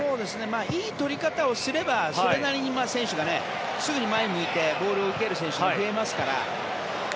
いい取り方をすればそれなりに選手がすぐに前を向いてボールを受ける選手も増えますから。